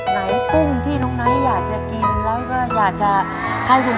ไหนปุ้งที่น้องไนท์อยากจะกินแล้วก็อยากจะทำแบบที่